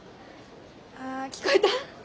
あ聞こえた？